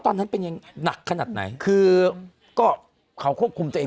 ตอนนั้นเป็นอย่างหนักขนาดไหนคือก็เขาควบคุมตัวเอง